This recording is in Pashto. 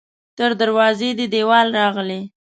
تر دروازو دې دیوال راغلی